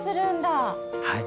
はい！